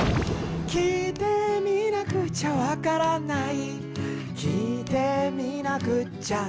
「きいてみなくちゃわからない」「きいてみなくっちゃ」